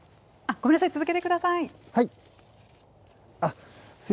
ごめんなさい、続けてください。